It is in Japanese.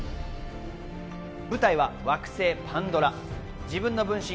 舞台は惑星・パンドラ。